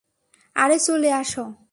আরে, চলে আসো!